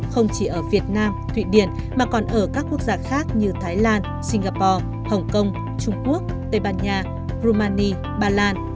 không chỉ ở việt nam thụy điển mà còn ở các quốc gia khác như thái lan singapore hồng kông trung quốc tây ban nha rumani bà lan